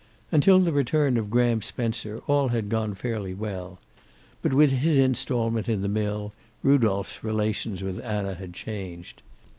Until the return of Graham Spencer, all had gone fairly well. But with his installment in the mill, Rudolph's relations with Anna had changed.